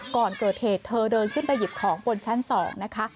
ก่อนเกิดเหตุเธอเดินขึ้นไปหยิบของบนชั้น๒นะคะ